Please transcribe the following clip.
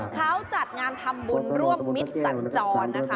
เค้าจัดงานทำบุญร่วมมิตรสัญจร